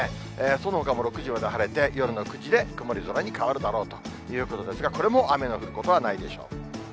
そのほかも６時まで晴れて、夜の９時で曇り空に変わるだろうということですが、これも雨の降ることはないでしょう。